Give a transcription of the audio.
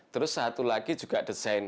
terus satu lagi juga desain